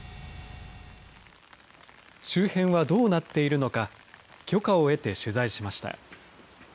周辺はどうなっているのか、許可を得て取材しました。